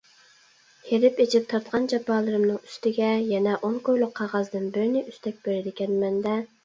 ھېرىپ - ئېچىپ تارتقان جاپالىرىمنىڭ ئۈستىگە يەنە ئون كويلۇق قەغەزدىن بىرنى ئۈستەك بېرىدىكەنمەن - دە؟!